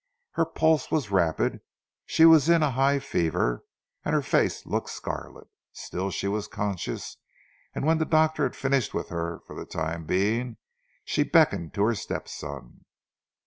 Her pulse was rapid, she was in a high fever, and her face looked scarlet. Still she was conscious, and when the doctor had finished with her for the time being she beckoned to her step son.